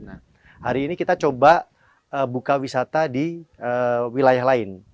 nah hari ini kita coba buka wisata di wilayah lain